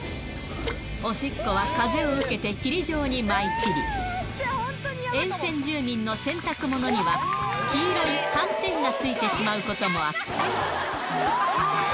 おしっこは風を受けて霧状に舞い散り、沿線住民の洗濯物には、黄色い斑点がついてしまうこともあった。